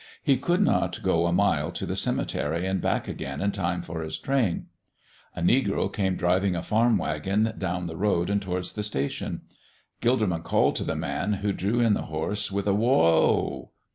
He could not go a mile to the cemetery and back again in time for his train. A negro came driving a farm wagon down the road towards the station. Gilderman called to the man, who drew in the horses with a "Whoh!"